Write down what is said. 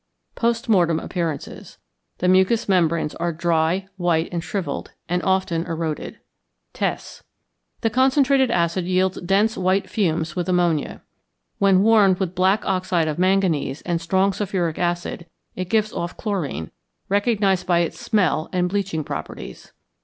Post Mortem Appearances. The mucous membranes are dry, white, and shrivelled, and often eroded. Tests. The concentrated acid yields dense white fumes with ammonia. When warmed with black oxide of manganese and strong sulphuric acid it gives off chlorine, recognized by its smell and bleaching properties.